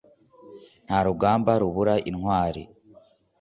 Nta rugamba rubura intwari